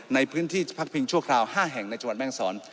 ในพื้นที่พักพิงชั่วคราว๕แห่งในจังหวัดแม่งศร